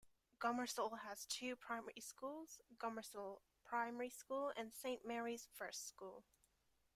Gomersal has two primary schools; Gomersal Primary School and Saint Mary's First School.